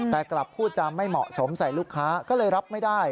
แต่กลับพูดจาไม่เหมาะสมใส่ลูกค้าก็เลยรับไม่ได้